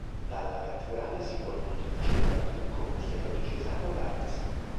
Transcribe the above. Dalla Cattedrale si può inoltre accedere al ricco "Museo diocesano d'arte sacra".